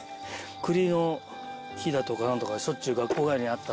栗の木だとかなんとかしょっちゅう学校帰りにあったので。